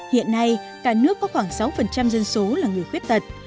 hiện nay cả nước có khoảng sáu dân số là người khuyết tật